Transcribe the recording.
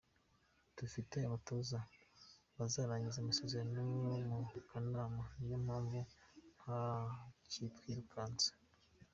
Dufite abatoza bazarangiza amasezerano mu kanama niyo mpamvu ntakitwirukansa.